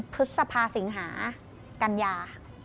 พฤษภาสิงหากัญญา